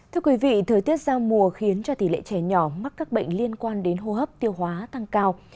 thưa quý vị thời tiết giao mùa khiến cho tỷ lệ trẻ nhỏ mắc các bệnh liên quan đến hô hấp tiêu hóa tăng cao